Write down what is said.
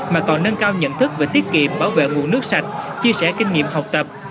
mà còn nâng cao nhận thức về tiết kiệm bảo vệ nguồn nước sạch chia sẻ kinh nghiệm học tập